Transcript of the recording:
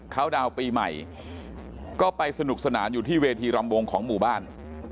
เขาดาวน์ปีใหม่ก็ไปสนุกสนานอยู่ที่เวทีรำวงของหมู่บ้าน